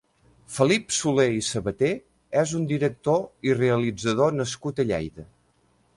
Felip Solé i Sabaté és un director i realitzador nascut a Lleida.